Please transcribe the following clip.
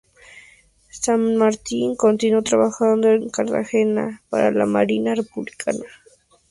Sanmartín continuó trabajando en Cartagena para la Marina republicana.